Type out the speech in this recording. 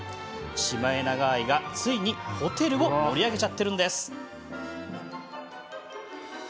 シマエナガ愛がついにホテルを盛り上げちゃっているんです。